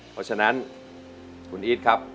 เพราะฉะนั้นคุณอีทครับ